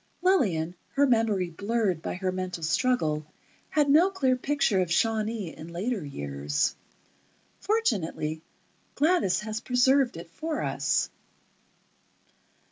Lillian, her memory blurred by her mental struggle, had no clear picture of Shawnee in later years. Fortunately, Gladys has preserved it for us.